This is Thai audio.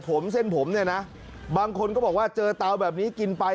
ผมเส้นผมเนี่ยนะบางคนก็บอกว่าเจอเตาแบบนี้กินไป